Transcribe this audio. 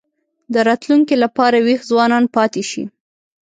د راتلونکي لپاره وېښ ځوانان پاتې شي.